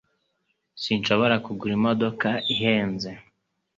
Sinshobora kugura imodoka ihenze